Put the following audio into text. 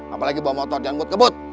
apalagi bawa motor jangan mut kebut